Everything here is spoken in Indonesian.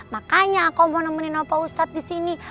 makanya aku mau nemenin opa ustadz disini